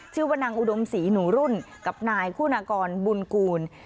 ชื่อว่านางอุดมศรีหนูรุ่นกับนายคุณากรบุญกูล